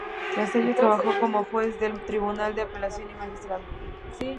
Tras ello, trabajó como juez del tribunal de apelación y magistrado.